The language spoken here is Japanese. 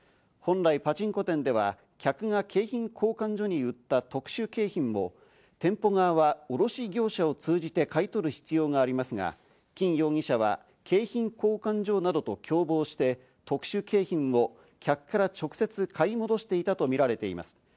本来パチンコ店では客が景品交換所に売った特殊景品を店舗側は卸業者を通じて買い取る必要がありますが、金容疑者は景品交換所などと共謀して特殊景品を客から直接買い戻していたとみられています。